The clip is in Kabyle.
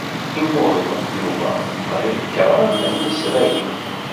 Imuhel Yuba qrib kraḍ n yisragen.